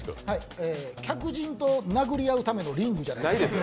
客人と殴り合うためのリングじゃないですか？